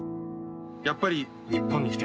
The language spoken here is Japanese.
やっぱり日本に来てよかった。